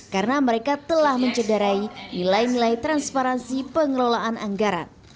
karena mereka telah mencederai nilai nilai transparansi pengelolaan anggaran